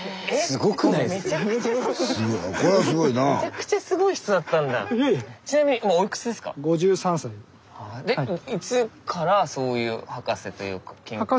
でいつからそういう博士というか。